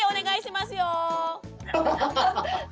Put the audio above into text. ハハハハッ！